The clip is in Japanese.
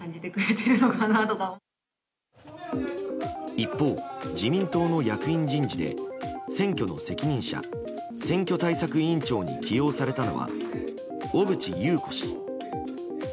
一方、自民党の役員人事で選挙の責任者選挙対策委員長に起用されたのは小渕優子氏。